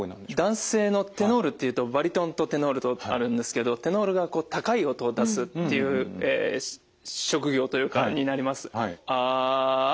男性のテノールっていうとバリトンとテノールとあるんですけどテノールが高い音を出すっていう職業になります。